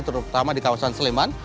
terutama di kawasan sleman